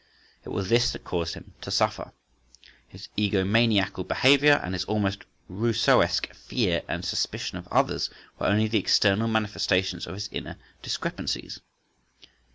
It was this that caused him to suffer. His egomaniacal behaviour and his almost Rousseauesque fear and suspicion of others were only the external manifestations of his inner discrepancies.